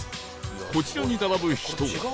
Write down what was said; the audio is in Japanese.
こちらに並ぶ人は